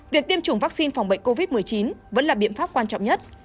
việc tiêm chủng vaccine phòng bệnh covid một mươi chín vẫn là biện pháp quan trọng nhất